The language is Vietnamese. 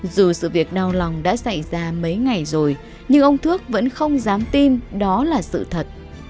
dù sự việc đau lòng đã xảy ra mấy ngày rồi nhưng ông thước vẫn không dám tin đó là sự thật